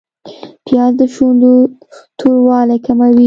پیاز د شونډو توروالی کموي